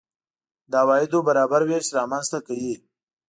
د عوایدو برابر وېش رامنځته کوي.